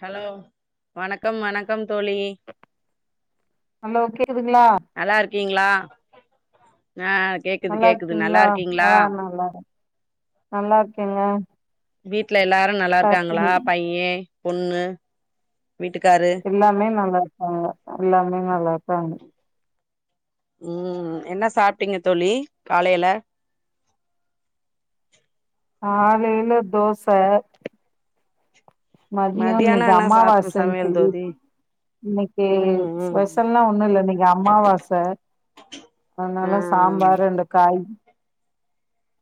Hello வணக்கம் வணக்கம் தோழி ஹலோ கேக்குதுங்ளா நல்லா இருக்கீங்களா ஆ கேக்குது நல்லா கேக்குது நல்லா இருக்கீங்ளா இருக்கீங்களா ஆ நல்லாரு நல்லார்க்கேங்க வீட்ல எல்லாரு நல்லாருக்காங்களா பைய பொண்ணு வீட்டுக்காரு எல்லாமே நல்லாருக்காங்க எல்லாமே நல்லாருப்பாங்க ம் என்ன சாப்ட்டிங்க தோழி காலையில [inaudible] காலையில தோச மதியோ மதியானோ நேத்து என்ன சாப் அம்மாவாசன் சமையல் சொல்லி தோழி இன்னைக்கு ம் ம் ஸ்பெஷல்லா ஒண்ணுல்ல இன்னைக்கு அம்மாவாச ஆ அதனாலா சாம்பாரு ரெண்டு காய்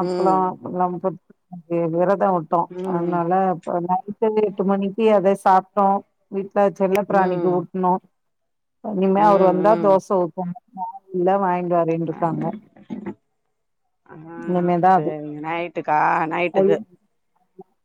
அப்பல்லா ம் நம்ப ‌‌‌வி விரதோ வுட்டோ ம் அதனால இப்ப என்ன இப்பவே எட்டு மணிக்கி அதே சாப்ட்டோ வீட்ல செல்ல பிராணிக்கு ம் ஊட்னோ இனிமே அவரு ம் வந்தா ம் தோச ஊத்வோ இல்ல வா இங்க ரெண்டுருக்காங்க ம் சேரிங்க நைட்டுக்கா ஐயோ நைட்டுக்கு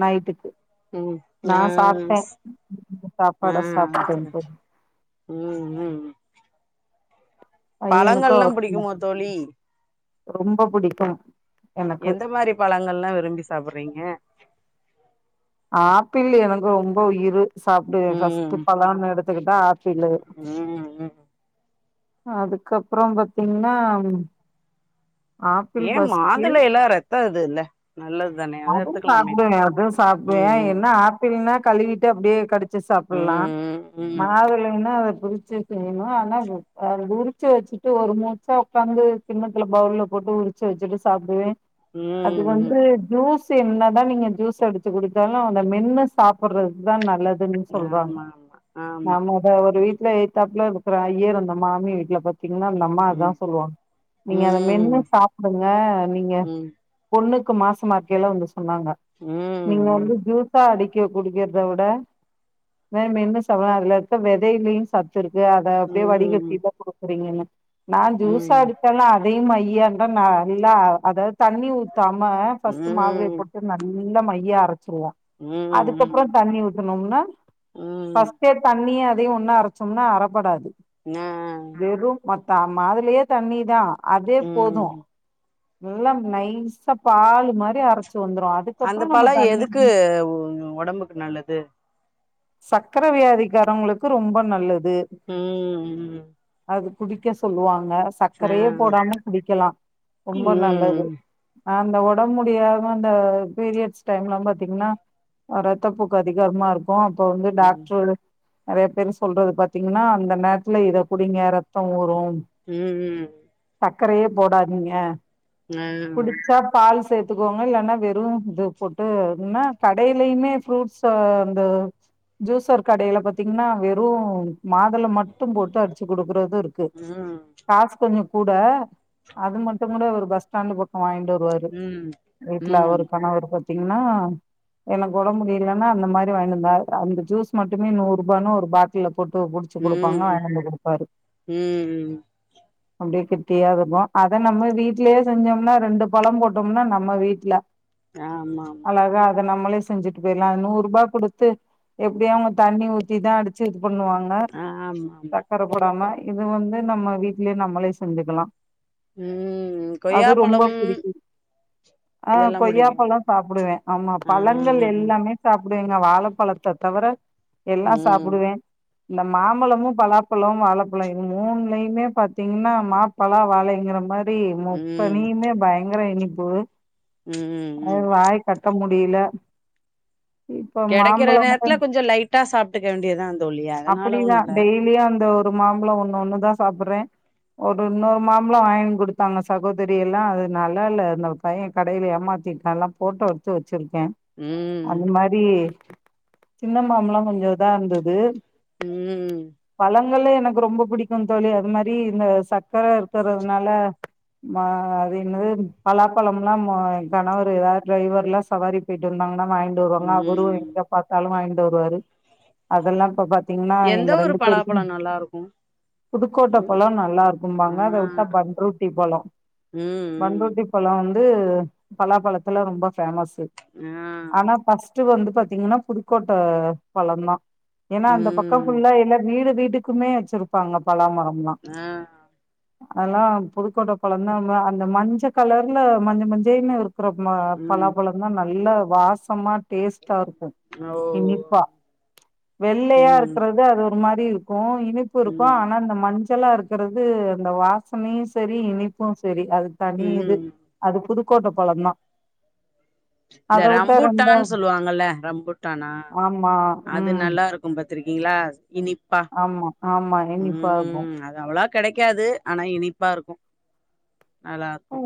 நைட்டுக்கு ம் நா ஆ சாப்ட்டே ஆ சாப்பாட சாப்ட்டே சேரி போ ம் ம் பையனுக்கு பழங்கள்லா அவர்க்கு புடிக்குமோ தோழி ரொம்ப புடிக்கு எனக்கு எந்த மாரி பழங்கள்லா விரும்பி சாப்பிறீங்க ஆப்பிள் எனக்கு ரொம்போ உயிரு சாப்டுவே ம் ஃபஸ்ட் பழோன் எடுத்துக்கிட்டா ஆப்பிளு ம் ம் அதுக்கப்றோ பாத்தீங்னா ம் ஆப்பிள் ஏ ஃப்பஸ்ட்டு மாதுளைலா ரத்த இது இல்ல நல்லது தானே அத அதுவு எடுத்துக்கலாமே சாப்பிடுவே இதுவு சாப்டு எ ம் என்ன ஆப்பிள்னா கழுவிட்டு அப்டியே கடிச்சு சாப்டலா ம் ம் மாதுளைனா அத பிரி ச்சு செய்யனு அதனால இது அ உரிச்சு வெச்சிட்டு ஒரு மூச்சா உக்காந்து கிண்ணத்துல பவுல்ல போட்டு உரிச்சு வெச்சுட்டு சாப்புடுவே அது ம் வந்து ம் ஜூஸ் என்ன தா நீங்க ஜூஸ் அடிச்சு குடுச்சாலு அத மென்னு சாப்டறது தா நல்ல தின் சொல்றாங்க ஆமா ஆமா ஆமா நாம அத ஒரு வீட்டுல எதுதாப்புல இருக்குற ஐயர் அந்த மாமி வீட்டுல பத் இன்னு அந்த அம்மா அதா ம் சொல்லுவாங்க நீங்க அத மென்னு ம் சாப்பிடுங்க நீங்க ம் பொண்ணுக் கு மாசமா இருக்கைல வந்து சொன்னாங்க நீங்க ம் வந்து ஜூசா அடிக் க்கு குடிக்கிறத விட மெ மென்னு சாப்ட்டா அதுல இருக்க வெதையிலயு சத் து இருக்கு அத ம் அப்டியே வடிகட் ம் குடுக்குறீங்கன்னு நா ஜூஸ் ம் அடிச்சாலு அதையு மையாதா நா நல்லா அதாவது தண்ணி ஊத்தாம ஃபர்ஸ்ட்டு மாதுளை ம் போட்டு நல்லா மையா அரச் வெச்சுருவோ அதுக்கப்றோ தண்ணி ஊத்துனோம்னா ம் பஸ்டே தண்ணிய இதயு ஒன்னா அரச்சோம்னா அறப்படாது நா வெறு மொத்த மாதுலயே தண்ணி தா அதே போது ம் நல்லா நைசா பால் மாரி அற அந்த பழோ எதுக்கு ஒடம்புக்கு நல்லது சக்கர வியாதிகாரங்களுக்கு ரொம்ப நல்லது ம் ம் அது குடிக்க சொல்லுவாங்க ஆ சக்கரையே போடாம குடிக்கலா ரொம்ப நல்லது ம் ம் அந்த ஒடம்பு முடியாம அந்த பீரியட்ஸ் டைம்ல பாத்தீங்கன்னா ரத்தப்போக்கு அதிகாமா இருக்கு அப்ப வந்து டாக்டரு நெறைய பேர் சொல்றது பாத்தீங்கன்னா அந்த நேரத்துல எப் குடிங்க ரத்தோ ஊரு ம் சக்கரையே போடாதீங்க ஆ ம் புடுச்சா பால் சேத்துக்கோங்க இல்லன்னா வெறு இது போட்டு என்னா கடயிலயுமே ஃப்ரூட்ஸ் அந்த ஜூசர் கடையில பாத்தீங்கன்னா வெறு மாதுள மட்டு போட்டு அடி ச்சு குடுக்கறது இருக்கு காசு கொஞ்சோ கூட அது மட்டுகூட அவரு பஸ் ஸ்டேண்டு பக்கோ வாங்கிட்டு வருவாரு ம் வீட்டுல ம் அவுரு பண்ணத பாத்தீங்கன்னா எனக் ஒடபுமுடிலனா அந்த மாரி வாயின்டு அந்த ஜூஸ் மட்டுமே நூரூபானு ஒரு பாட்டில்ல போட்டு புடுச்சு குடுப்பாங்க வாயிண்டு வந்து குடுப் ம் ம் அப்டியே கெட்டியாருக்கு அத நம்ம வீட்லயே செஞ்சோம்னா ரெண்டு பழோ போட்டோம்னா நம்ம வீட்ல ஆமா ஆமா அழகா அத நம்மளே செஞ்சுட்டு பொயிட்லா அத நூரூபா குடுத்து எப்டியு அவெ தண்ணி ஊத்தி தா அடி ச்சி அத பண்ணுவாங்க ஆமா ஆமா கட் அனா இது வந்து நம்ம வீட்லயே நம்மளே செஞ்சுக்கலா ம் அது ரொம்ப கொய்யாப்பழம் புடிக்கு ஆ இதெல்லா புடிக்கு கொய்யாப்பழோ சாப்டுவே ஆமா ஆ பழங்கள் ம் எல்லாமே சாப்டுவேங்க வாழப்பழத்த தவர எல்லா ம் சாப்டுவே இந்த மாம்பழமும் பலா ப்பழோ வாழப்பழோ இது மூன்லயுமே பாத்தீங்கனா மா பலா வாழைங்கிற மாரி அப்டி ம் முக்கனியுமே பயங்கர இனிப்பு அது ம் வாய் கட்ட முடி முடில கெடைக்கிற நேர்த்துல கொஞ்சோ லைட்டா சாப்ட்டுக்க வேண்டியதா தோழி அதனால ஒண்ணுல்ல இந்த ஒரு மாம்புழோ ஒண்ணு ஒண்ணுதா சாப்பறே ஒரு இன்னொரு மாம்பழம் வாய்ங் குடுத்தாங்க சகோதரியெல்லா அது நல்லா இல்ல அந்த பயே கடைல ஏமாத்த திட்டா எல்லா போட்டோ எடுத்து வச் சிருக்கே ம் அது மாரி சின்ன மாம்பழம் கொஞ்சோ இதா இருந்தது உம் பழங்கள்லே எனக்கு ரொம்ப புடிக்கு தோழி அது மாரி இந்த சக்கர இருக்குறதுனால மா அது என்னது பலாப்பழலா கணவர் ஏதாது ட்ரைவர்ல சவாரி பொய்ட்டு வந்தாங்கனா வாயிண்டு வருவாங்க அவரு ம் எங்க பாத்தாலு வாயிண்டு வருவாரு. அதெல்லா இப்ப பாத்தீங்கனா எங்க ரெண்டு பேருக்கு பழம் நல்லாருக்கு புதுக்கோட்ட பழொ நல்லாருக்கும்பாங்க அத விட்டா ஆ பண்ரொட்டி பழொ. ம் பண்ரொட்டி பழொ வந்து பலாபழத்துல ரொம்ப ஃபேமஸ்ஸு ம் ம் ஆ அனா ஃபஸ்ட்டு வந்து பாத்தீங்கனா புதுக்கோட்ட பழந்தா எனா அந்த பக்கம் ம் ஃபுல்லா இழ வீடு வீட்டுக்குமே வச்சுருப்பாங்க பலாமரம். ஆ அலா புதுக்கோட்ட பழந்தா. அந்த மஞ்ச கலர்ல மஞ்ச மஞ்சேனு இருக் அப்புறம் ம ம் பலாபழந்தா நல்ல வாசமா டேஸ்டா இருக் ம் ஓ இனிப்பா வெள்ளயா ம் இருக்றது அது ஒரு மாரி இருக் போ இனிப்பிருக்கு ம் அனா இந்த மஞ்சளா இருக்றது அந்த வாச மே சரி இனிப்பு சரி அது தனியிது ம் அது புதுக்கோட்ட பழந்தா. இந்த ரம்புட்டான் சொல்வாங்கல ரம்புட்டானா ஆமா அது ம் நல்லாருக்கு பத் பாத்ர்க்கீங்களா இனிப்பா ஆமா ஆமா இனிப்பா இருக்கும் உம் அது அவ கெடைக்காது அனா இனிப்பாருக்கு நல்லாருக்கு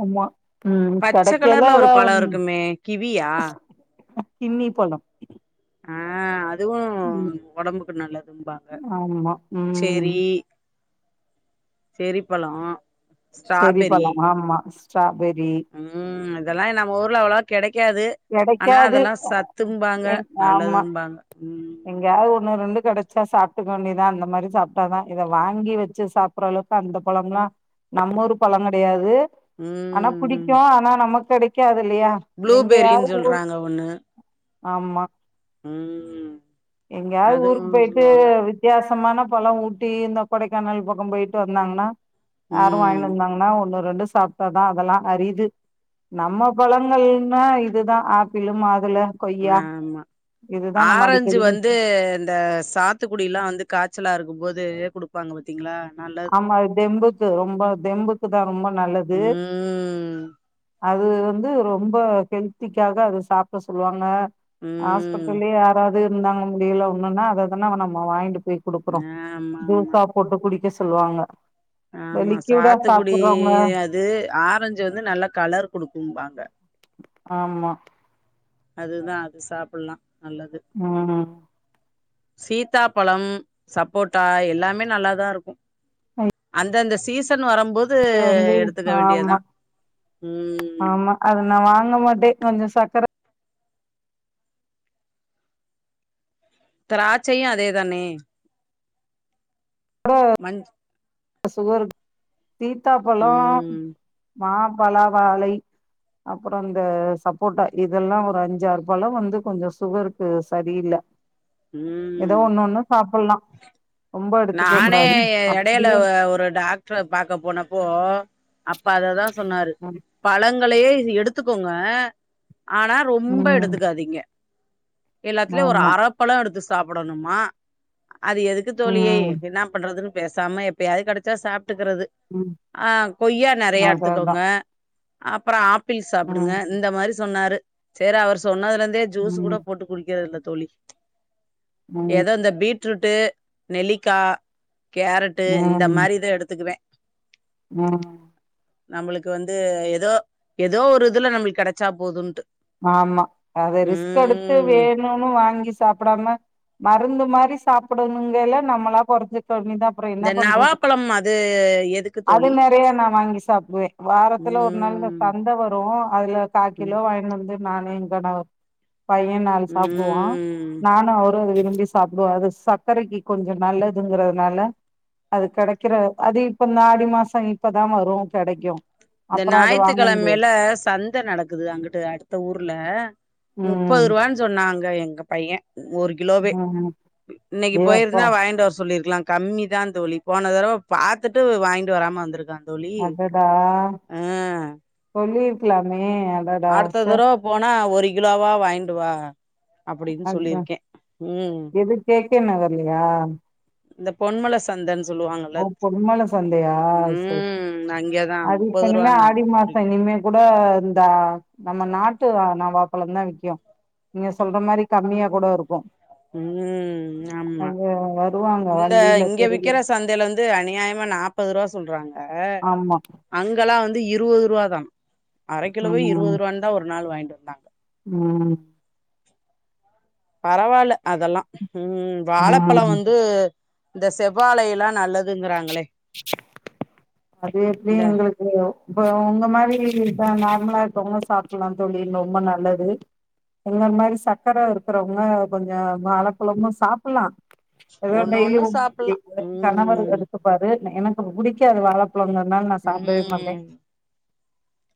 உம் கெடைக்கல எதா ஒன் கிவியா கின்னி பழம். ஆ அ அதுவு ம் ஒடம்புக்கு நல்லதும்பாங்க ஆமா ம் செரி செரிப்பழம். செர்ரி பழம் ஆமா ஸ்ட்ராபெரி ம் அதெல்லா நம்ம ஊர்ல அவளவா கெடைக் க்காது அனா கெடைக்காது அதெல்லா சத்துன்பாங்க நல்லதுன்பாங்க. எங்கியாது ஒண்ணு ரெண்டு கெடச்சா சாப்ட்டுக்க வேண்டிதா. அந்த மாரி சாப்ட்டாதா இத வாங்கி வச்சு சாப்ற ஆள வுக்கு அந்த பழம்லா நம்மூரு பழங்கெடயாது. அனா ம் ம் பிடிக்கு அனா நமக்கெடைக்காது. இல்லையா எங்க யாது ப்ளூபெரின்னு ஊர் ஆமா உம் எங்கயாது ஊருக்கு போயிட்டு சொல்லுவாங்க வித்தியாசமான இப்பலா ஊட்டி இந்த கொடைக்கானல் பக்கோ போயிட்டு வந்தாங்கன்னா யாரு ம் வாங்கிட்டு வந்தாங்கனா ஒன்னு ரெண்டு சாப்டாதா அதெல்லா அரிது நம்ம பழங்கள்னா இதுதா ஆப்பிளு மாதுள கொய்யா ஆமா இதுதா நம்ம ஆரஞ்சு அடிக்கடி வந்து இந்த சாத்துக்குடி எல்லா வந்து காய்ச்சலா இருக்குபோது து குடுப்பாங்க பாத்தீங்களா நல்லது ஆமா தெம்புக்கு ரொம்ப தெம்புக்கு தா ரொம்ப நல்லது ம் அது வந்து ரொம்ப ஹெல்திக்காக அது சாப்பட சொல்லுவாங்க ம் ஹாஸ்பிட்டலயே யாராவது இருந்தாங்க முடியல ஒன்னுன்னா அததான நம்ம வாங்கிட்டு போய் குடுக்குறோ ஆமா ஜூசா போட்டு குடிக்க சொல்லுவாங்க ஆ இந்த ஆமா லிக்யூடா சாத்துக்குடி சாப்பிடுறவங்க அது ஆரஞ்சு வந்து நல்ல கலர் குடுக்கும்பாங்க ஆமா அதுதா சாப்புட்லா ம் சீத்தாப்பழம் சப்போட்டா எல்லாமே நல்லாதாருக்கு அந்தந்த சீசன் வரம்போது வந்து எடுத்துக்க ஆமா வேண்டியதா ம் ஆமா அது நா வாங்க போதே கொஞ்ச சக்கர திராட்சையு அதே தானே மஞ் சுகர் சீத்தாபழோ ம் மா பலா வாழை அப்றோ அந்த சப்போட்டா இதெல்லா ஒரு அஞ்சாறுபழோ வந்து கொஞ்சோ சுகருக்கு சரியில்ல எதோ ம் ஒண்ணு ஒண்ணு சாப்புட்லா நானே எடையில அப்டியே ஒரு டாக்ட்ர பாக்க போனப்போ அ அப்ப அததா சொன்னாரு ம் பழங்களையே எடுத்துகோங்க ஆனா ரொம்ப ம் எடுத்துகாதீங்க எல்லாத்துலயு ஒரு ஆமா அரபழ எடுத்து சாப்படணுமா அது எதுக்கு தோழி ம் என்ன பண்றதுன் பேசாம எப்பயாவது கெடச்சா சாப்ட்டுக்குறது ம் அ கொய்யா நெறையா அதா அதா எடுத்துகோங்க அப்றோ ஆப்பிள் சாப்புடுங்க ம் இந்த மாரி சொன்னாரு செரி அவர் சொன்னதுலருந் தே ஜூஸூ கூட ம் போட்டு குடிக்கிறதுல்ல தோழி ம் ஏதோ இந்த பீட்ரூட்டு் நெல்லிக்கா கேரட்டு இந்த ம் மாரிதா எடுத்துக்குவ ம் நம்முளுக்கு வந்து ஏதோ ஏதோ ஒரு இதுல நம்முளுக்கு கெடச்சா போதுன்ட்டு ஆமா அது ரிஸ்க் எடுத்து ம் வேணுனு வாங்கி சாப்படாம மருந்து மாரி சாப்பிடணுங்கல நம்மளா கொறச்சு தண்ணிதா அப்றோ என்ன இந்த பண்றது நவாப்பழம் அது எதுக்கு அது தோழி நெறைய நா வாங்கி சாப்பிடுவ வாரத் துல ஒரு நாள் ம் சந்த வரு அதுல கா கிலோ ம் வாங்கின் வந் நானு எங்க பைய நாளு சாப்புடுவா ம் நானு அவரு ரோ விரும்பி சாப்டுவாரு அது சக்கரைக்கு கொஞ்ச நல்லதுங்கறதுனால அது கெடைக்கிற அது இப்ப இந்த ஆடி மாசோ இப்பதா வரு கெடைக்கு இந்த அப்புறோ அது வாங்க முடியாது ஞாயித்துக்கிழமைல சந்த நடக்குது அங்குட்டு அ த ஊர்ல முப்பது ம் ரூவானு சொன்னாங்க எங்க பைய ஒரு கிலோவே ம் இன்னைக்கு ஏ அப்பா போயிருந்தா வாங்கிட்டு வர சொல்லிரு க்கலா கம்மி தா தோழி போன தடவ பாத்துட்டு வாங்கிட்டு வராம வந்திருக்கா தோழி அடடா ஆ சொல்லிருக்கலாமே அடடா அடுத்த ச்சே தடவ போனா ஒரு கிலோவா வாங்கிட்டு வா அப்டின் அதா சொல்லிருக்கே ம் எது கே கே நகர்லயா இந்த பொன்மல சந்தன் ஓ பொன்மல சந்தயா சரி ம் அங்கேதா அது இப்ப முப்பது என்ன ரூவான்னாங்க ஆடி மாச ஒரு கிலோ. இனிமே கூ ட இந்த நம்ம நாட்டு நவாப்பளம் தா விக்கு நீங்க சொல்ற மாதிரி கம்மியா கூட இருக்கு ம் ஆமா அது வருவாங்க இந்த வண்டியில இங்க தெருவுல விக்கிற சந்தயில வந் து அநியாயமா நாப்பது ரூவா சொல்றாங்க ஆமா அங்கெல்லா வந்து இருபது ரூபா தா அரை கிலோவே இருவது ம் ரூவாந்தா ஒரு நாள் வாங்கிட்டு வந்தாங் ம் பரவால்ல அதெல்லா ம் ம் வாழபழம் வந்து இந்த செவ்வாழை எல்லா நல்லதுங்கிறாங்களே அது எப்படி இந்த எங்களுக்கு இப்ப உங்க மாதிரி இப்ப நார்மலா இருக்கவங்க சாப்பிடலா தோழி ரொம்ப நல்லது எங்கள மாதிரி சக்கர இருக்கிறவங்க கொஞ்ச வாழப்பழமு சாப்புட்லா இவர் ஒண்ணு டெய்லி ஒண்ணு ஒன்னு சாப்புல்லா எ கணவர் ம் எடுத்துப்பாரு எனக்கு புடிக்காது வாழைப் உம்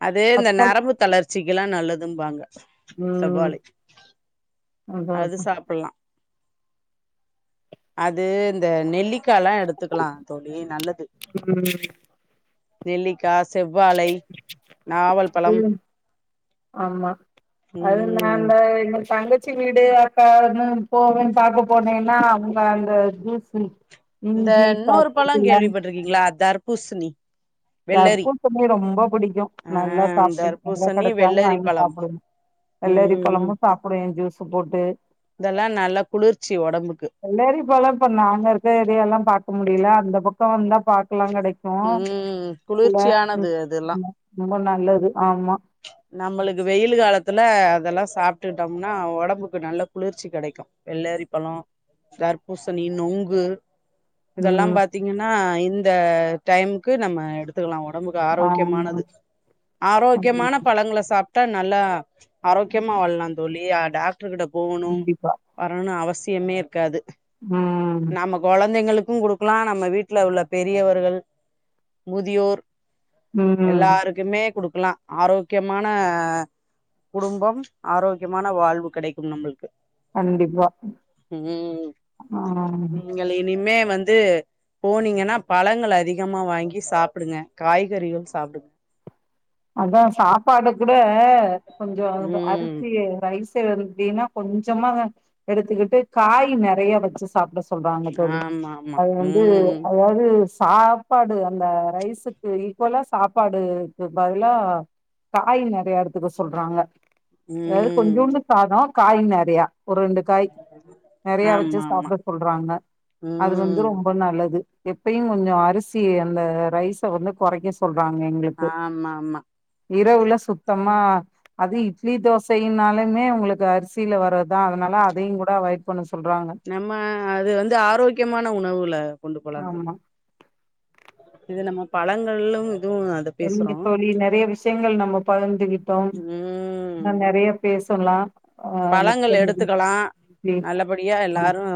அது இந்த பச்ச நரம்பு தளர்ச்சிக்குல்லா நல்லதுபாங்க ம் செவ்வாழை அதா அது அதா சாப்பிடலா அது இந்த நெல்லிக்கா எல்லா எடுத்துக்கலா தோழி நல்லது ம் நெல்லிக்கா செவ்வாழை நாவல் அது பழம் ஆமா அது நா ம் இந்த எங் தங்க ச்சி வீடு அக்கானு போவேன்னு பார்க்க போனேன்னா அவங்க அந்த ஜூஸ் இந்த இன்னொரு பழம் கேள்விப்பட்டுருக்கீங்களா தர்பூசணி வெள்ளரி தர்பூசணி ரொம்ப பிடிக்கு ஆ நல்லா சாப்பிடும் எங்க தர்பூசணி கிடைச்சாலு வெள்ளரி வாங்கி பழம் சாப்பிடுவ வெள்ளரி ம் பழமும் சாப்பிடுவே ஜூஸ் போட்டு இதெல்லா நல்லா குளிர்ச்சி ஒடம்புக்கு வெள்ளரிபழம் இப்ப நாங்க இருக்க ஏரியால பாக் க முடியல அந்த பக்கம் வந்தா பாக் கலா கிடைக்கு ம் இல்ல குளிர்ச்சியானது உம் அதெல்லா உம் ரொம்ப நல்லது ஆமா நம்மளுக்கு வெயில் காலத்துல அதெல்லா சாப் ட்டுட்டோம்னா உடம்புக்கு நல்ல குளிர்ச்சி கிடைக்கு வெள்ளரி பழம் தர்பூசணி நுங்கு இதெல்லா ம் பாத்தீங்கன்னா இந்த டைமுக்கு நம்ம எடுத்துக்கலா உம்புக்கு ஆமா ஆரோக்கியமானது ஆரோக்கியமான பழங்கள சாப் டா நல்லா ஆரோக்கியமா வாழலா தோழி டாக்டர் கிட்ட போகணு கண்டிப்பா வரணும் அவசிய வைத்தியமே இருக்காது ம் நம்ம குழந்தைங்களுக் கொடுக்கலா நம்ம வீட்டல உள்ள பெரியவர்கள் முதியோர் ம் எல்லாருக்குமே குடுக்கலா ஆரோக்கியமான குடும்பம் ஆரோக்கியமான வாழ்வு கிடைக்கு நம்மளுக்கு கண்டிப்பா உம் ஆ நீங்கள இனிமே வந்து போனீங்கன்னா பழங்கள் அதிகமா வாங்கி சாப்பிடுங்க காய்கறிகள் சாப்பிடு அதா சாப்பாடு கூட கொஞ்ச ம். அரிசி ரைஸ்ச எடுத்தீனா கொஞ்சமா எடுத்துக்கிட்டு காய் நிறைய வச்சு சாப்பிட சொல்றாங்க தோழி ஆமாமா. அது வந்து ம். அதாவது சாப்பாடு அந்த ரைஸுக்கு ஈக்குவலா சாப்பாடு பதிலா காய் நிறைய எடுத்துக்க சொல்றாங்க அதாவது ம். கொஞ்சோன்னு சாதொ காய் நிறையா ஒரு ரெண்டு காய் நிறைய வச்சி ஆமாமா. சாப்பிட சொல்றாங்க அது வந்து ம். ரொம்ப நல்லது எப்பயு கொஞ்ச அரிசி அந்த ரைஸ் வந்து குறைக்க சொல்றாங்க எங்களுக்கு ஆமாமா. இரவுல சுத்தமா அது இட்லி தோசைனாலுமே உங்களுக்கு அரிசியில வரதா அதன னால அதையு கூட அவாய்ட் பண்ண சொல்றாங்க நம்ம அது வந்து ஆரோக்கியமான உணவுல கொண்டு போலா தோழி ஆமா இது நம்ம பழங்கலும் செரிங்க தோழி நெறைய விஷயங்கள் நம்ம பகர்ந்துகிட்டோ ம். நா நிறைய பேச ல்லலா பழங்கள் மிக்க எடுத்துக்கலாம் நன்றி நல்லபடியா எல்லாரு வணக்கம்